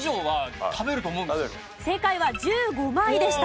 正解は１５枚でした。